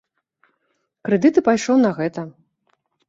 Крэдыт і пайшоў на гэта.